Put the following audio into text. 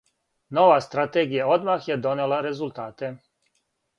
Нова стратегија одмах је донела резултате.